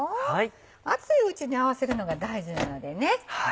熱いうちに合わせるのが大事なのでね。